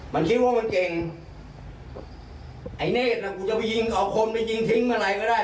มันคิดว่ามันเก่งไอ้เนธน่ะกูจะไปยิงเขาคนไปยิงทิ้งอะไรก็ได้